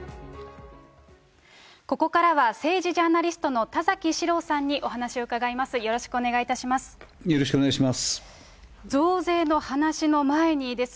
ここからは、政治ジャーナリストの田崎史郎さんにお話を伺います。